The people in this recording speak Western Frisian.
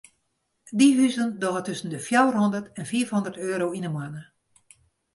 Dy huzen dogge tusken de fjouwer hondert en fiif hondert euro yn de moanne.